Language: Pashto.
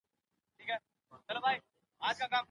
افغانستان د نړیوالو سوداګریزو قوانینو د نقضولو هڅه نه کوي.